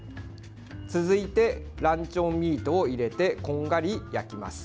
続いてランチョンミートを入れてこんがり焼きます。